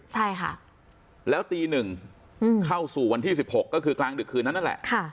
ใช่ค่ะแล้วตีหนึ่งอืมเข้าสู่วันที่สิบหกก็คือกลางดึกคืนนั่นแหละค่ะ